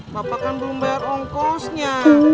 bapak kan belum bayar ongkosnya